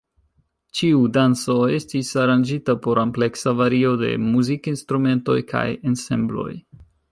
Ĉiu danco estis aranĝita por ampleksa vario de muzikinstrumentoj kaj ensembloj.